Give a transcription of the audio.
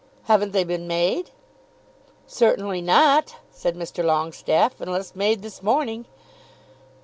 "Haven't they been made?" "Certainly not," said Mr. Longestaffe, "unless made this morning."